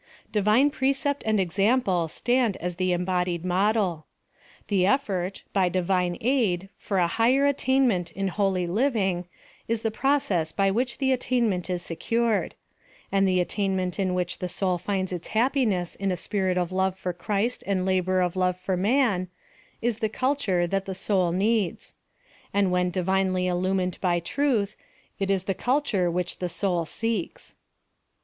Divine precept and example stand as the embodied model. The effort, by Divine aid, for a higher attainment in 280 PHILOSOPHY OF THE holy living is the process by which the attainment is secured; and the attainment in which the sou] finds its happiness in a spirit of love for Christ and labor of love for man, is the culture that the souJ needs ; and when divinely illumined by truths it is the culture which the soul seeks.